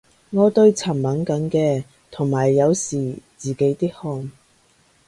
我對塵敏感嘅，同埋有時自己啲汗